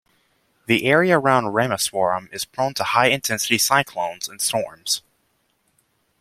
The area around Rameswaram is prone to high-intensity cyclones and storms.